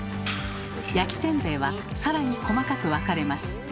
焼きせんべいは更に細かく分かれます。